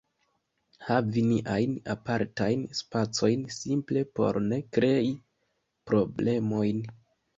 havi niajn apartajn spacojn simple por ne krei problemojn.